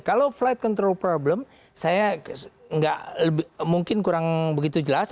kalau flight control problem saya mungkin kurang begitu jelas